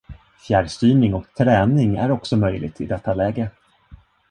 Fjärrstyrning och träning är också möjligt i detta läge.